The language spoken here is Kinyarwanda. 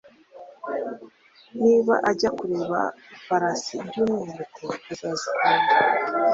Niba ajya kureba ifarasi By'umwihariko arazikunda